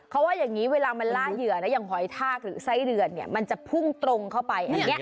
เขาว่าอย่างนี้เวลามันล่าเหยื่อนะอย่างหอยทากหรือไส้เดือนเนี่ยมันจะพุ่งตรงเข้าไปอันนี้